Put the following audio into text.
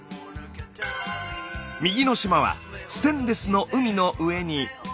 右の島はステンレスの海の上に。